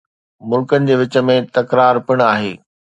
ملڪن جي وچ ۾ تڪرار پڻ آهي